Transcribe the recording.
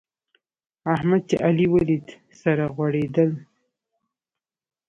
احمد چې علي وليد؛ سره غوړېدل.